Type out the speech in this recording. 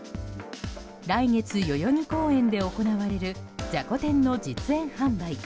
来月、代々木公園で行われるじゃこ天の実演販売。